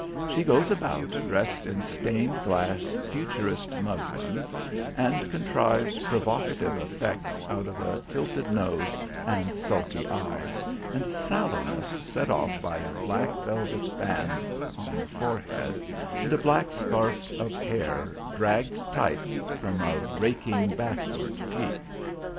She goes about dressed in stained glass futurist muslins, and contrives provocative effects out of a tilted nose, and sulky eyes, and sallowness set off by a black velvet band on the forehead, and a black scarf of hair dragged tight from a raking backward peak.